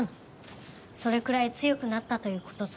それくらい強くなったという事ぞ。